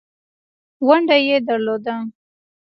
ونډه یې درلوده.